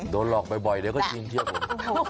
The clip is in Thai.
โดนหลอกบ่อยเดี๋ยวก็ยิงเชื่อผม